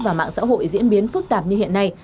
và mạng xã hội diễn biến phức tạp như hiện nay